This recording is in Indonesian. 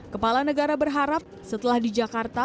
kepala negara berharap setelah di jakarta